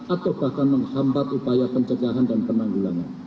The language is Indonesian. atau bahkan menghambat upaya pencegahan dan penanggulangan